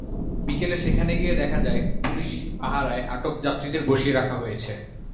বিকেলে সেখানে গিয়ে দেখা যায়, পুলিশ পাহারায় আটক যাত্রীদের বসিয়ে রাখা হয়েছে।